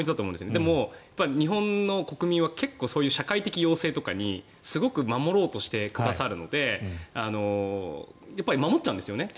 でも、日本の国民は結構そういう社会的要請とかをすごく守ろうとしてくださるのでやっぱり守っちゃうんですよね。